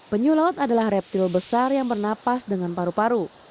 penyu laut adalah reptil besar yang bernapas dengan paru paru